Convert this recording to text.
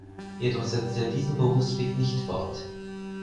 Jedoch setzte er diesen Berufsweg nicht fort.